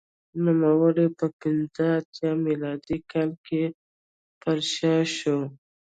نوموړی په پنځه اتیا میلادي کال کې پرشا شو